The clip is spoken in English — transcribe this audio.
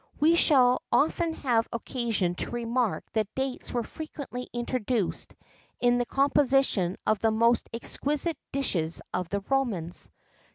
We shall often have occasion to remark that dates were frequently introduced in the composition of the most exquisite dishes of the Romans.